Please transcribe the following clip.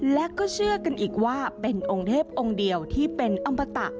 และก็เชื่อกันอีกว่าเป็นองค์เทพองค์เดียวที่เป็นอมตะ